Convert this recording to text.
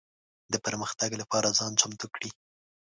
د پرمختګ لپاره ځان چمتو کړي.